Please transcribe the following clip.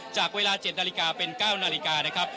จากเวลา๗นาฬิกาเป็น๙นาฬิกานะครับ